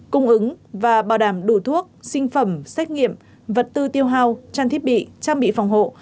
cung ứng và bảo đảm đủ thuốc sinh phẩm xét nghiệm vật tư tiêu hao trang thiết bị trang bị phòng hộ